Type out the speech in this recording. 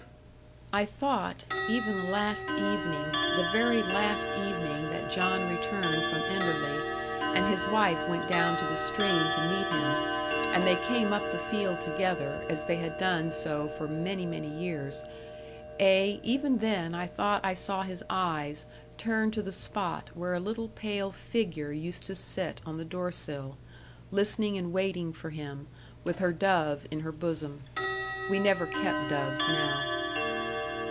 I thought, even the last evening the very last evening that John returned from Enderley, and his wife went down to the stream to meet him, and they came up the field together, as they had done so for many, many years; ay, even then I thought I saw his eyes turn to the spot where a little pale figure used to sit on the door sill, listening and waiting for him, with her dove in her bosom. We never kept doves now.